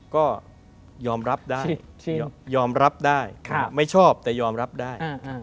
ก็ยอมรับได้ยอมรับได้ไม่ชอบแต่ยอมรับได้